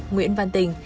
nguyễn văn tình